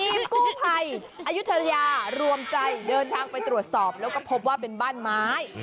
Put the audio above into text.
กู้ภัยอายุทยารวมใจเดินทางไปตรวจสอบแล้วก็พบว่าเป็นบ้านไม้